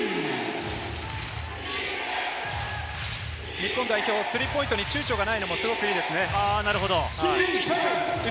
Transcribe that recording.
日本代表、スリーポイントにちゅうちょがないのもいいです。